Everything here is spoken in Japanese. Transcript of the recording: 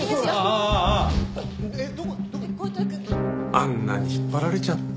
あんなに引っ張られちゃって。